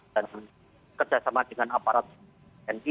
dan kerjasama dengan aparat ng